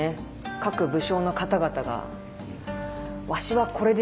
各武将の方々がわしはこれで！